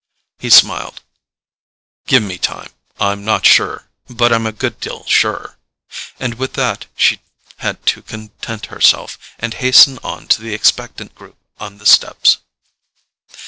He smiled. "Give me time. I'm not sure—but I'm a good deal surer." And with that she had to content herself, and hasten on to the expectant group on the steps.